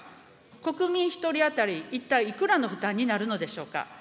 国民１人当たり一体いくらの負担になるのでしょうか。